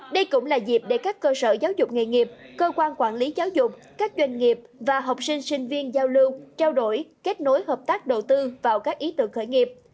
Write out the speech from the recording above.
đây cũng là dịp để các cơ sở giáo dục nghề nghiệp cơ quan quản lý giáo dục các doanh nghiệp và học sinh sinh viên giao lưu trao đổi kết nối hợp tác đầu tư vào các ý tưởng khởi nghiệp